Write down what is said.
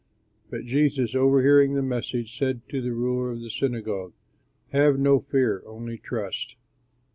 But Jesus, overhearing the message, said to the ruler of the synagogue, "Have no fear, only trust."